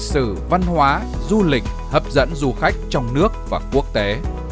lịch sử văn hóa du lịch hấp dẫn du khách trong nước và quốc tế